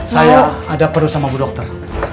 saya ada perlu sama bu dokter